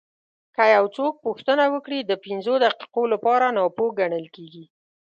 که یو څوک پوښتنه وکړي د پنځو دقیقو لپاره ناپوه ګڼل کېږي.